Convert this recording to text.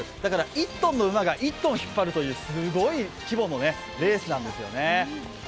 １ｔの馬が１ｔを引っ張るという、すごい規模のレースなんですよね。